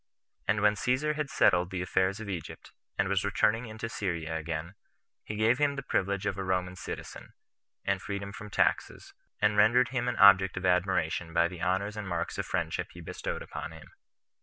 And when Caesar had settled the affairs of Egypt, and was returning into Syria again, he gave him the privilege of a Roman citizen, and freedom from taxes, and rendered him an object of admiration by the honors and marks of friendship he bestowed upon him.